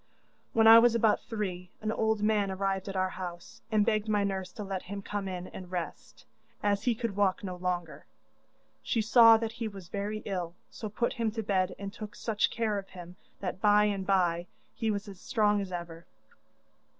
'When I was about three an old man arrived at our house, and begged my nurse to let him come in and rest, as he could walk no longer. She saw that he was very ill, so put him to bed and took such care of him that by and bye he was as strong as ever.